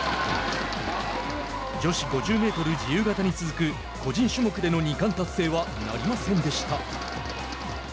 女子５０メートル自由形に続く個人種目での二冠達成はなりませんでした。